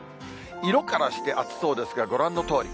色からして暑そうですが、ご覧のとおり。